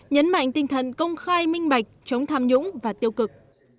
nhấn mạnh tinh thần công khai minh bạch chống tham nhũng và tiêu cực